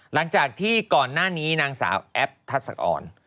หลังจากที่ก่อนหน้านี้นางสาวแอปทัศอ่อน